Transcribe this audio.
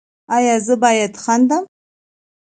ایا زه باید خندم؟